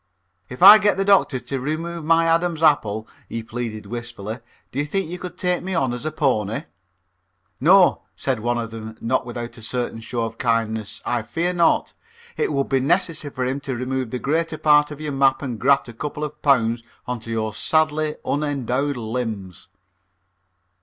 "If I get the doctor to remove my Adam's Apple," he pleaded wistfully, "do you think you could take me on as a pony?" "No," said one of them, not without a certain show of kindness. "I fear not. It would be necessary for him to remove the greater part of your map and graft a couple of pounds on to your sadly unendowed limbs."